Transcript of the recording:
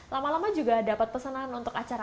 lama lama juga dapat pesanan untuk acara